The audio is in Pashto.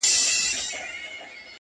چې نور شعرونه